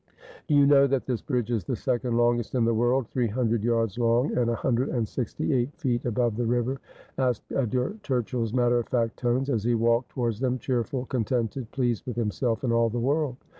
' Do you know that this bridge is the second longest in the world, three hundred yards long, and a hundred and sixty eight feet above the river?' asked Edgar Turchill's matter of fact tones, as he walked towards them, cheerful, contented, pleased with himself and all the world.